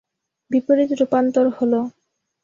বিপরীত রূপান্তর হলো